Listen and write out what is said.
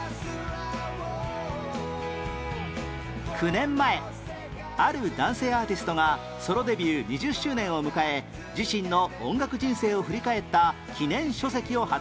９年前ある男性アーティストがソロデビュー２０周年を迎え自身の音楽人生を振り返った記念書籍を発売